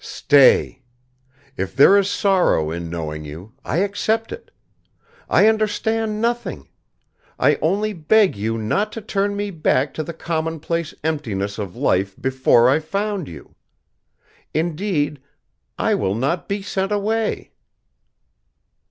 Stay! If there is sorrow in knowing you, I accept it. I understand nothing. I only beg you not to turn me back to the commonplace emptiness of life before I found you. Indeed, I will not be sent away."